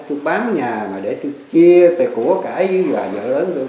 tôi bám nhà mà để tôi chia tay của cả với vợ lớn tôi